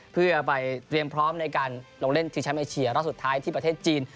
เพื่อไปเตรียมพร้อมในการลงเล่นที่แชมป์เอเชียรอบสุดท้ายที่ประเทศจีน